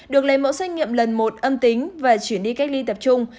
được lấy mẫu xét nghiệm lần một âm tính và chuyển đi cách ly tập trung